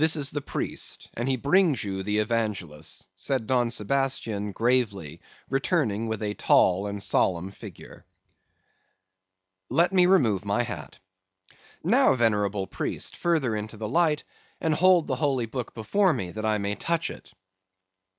"'This is the priest, he brings you the Evangelists,' said Don Sebastian, gravely, returning with a tall and solemn figure. "'Let me remove my hat. Now, venerable priest, further into the light, and hold the Holy Book before me that I may touch it.